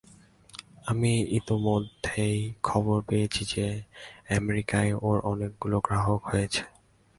আমি ইতোমধ্যেই খবর পেয়েছি যে, আমেরিকায় ওর অনেকগুলি গ্রাহক হয়েছে।